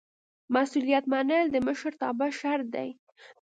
مسؤلیت منل د مشرتابه شرط دی.